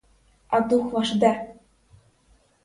А дух ваш де?